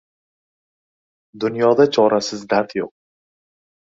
Dunyoda chorasiz dard yo‘q.